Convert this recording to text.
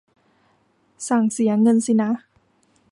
สั่งเสียเงินสินะ